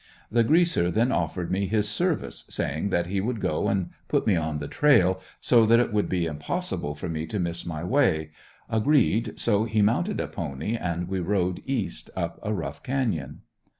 The "Greaser" then offered me his service, saying that he would go and put me on the trail so that it would be impossible for me to miss my way. I agreed, so he mounted a pony and we rode east up a rough canyon.